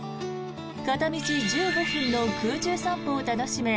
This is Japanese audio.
片道１５分の空中散歩を楽しめ